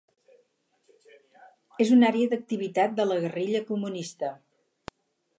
És una àrea d'activitat de la guerrilla comunista.